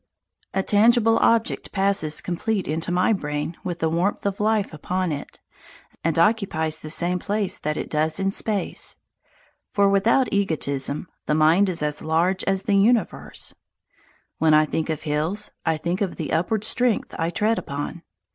A tangible object passes complete into my brain with the warmth of life upon it, and occupies the same place that it does in space; for, without egotism, the mind is as large as the universe. When I think of hills, I think of the upward strength I tread upon.